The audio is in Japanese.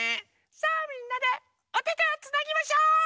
さあみんなでおててをつなぎましょう！